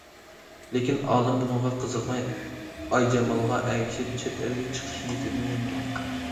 لېكىن، ئالىم بۇنىڭغا قىزىقماي، ئايجامالغا ئەگىشىپ چەت ئەلگە چىقىش نىيىتىدىن يانمىغان.